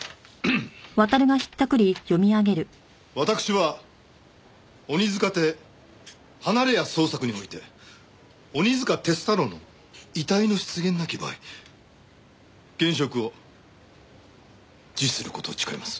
「私は鬼束邸離屋捜索において鬼束鐵太郎の遺体の出現なき場合現職を辞することを誓います」